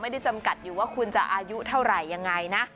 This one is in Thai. จำกัดอยู่ว่าคุณจะอายุเท่าไหร่ยังไงนะ